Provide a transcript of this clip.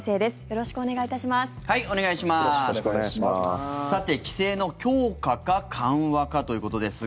よろしくお願いします。